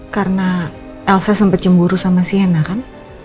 karena elsa sempet cemburu sama sienna kan